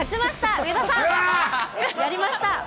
上田さん、やりました。